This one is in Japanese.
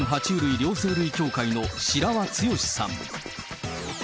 両生類協会の白輪剛史さん。